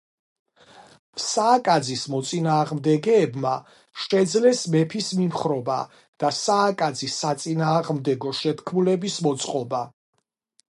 სააკაძის მოწინააღმდეგებმა შეძლეს მეფის მიმხრობა და სააკაძის საწინააღმდეგო შეთქმულების მოწყობა.